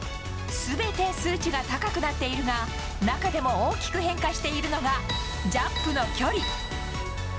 全て数値が高くなっているが中でも大きく変化しているのがジャンプの距離。